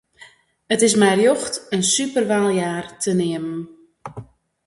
It is mei rjocht in Superwahljahr te neamen.